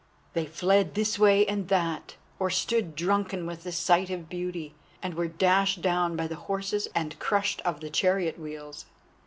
They fled this way and that, or stood drunken with the sight of beauty, and were dashed down by the horses and crushed of the chariot wheels.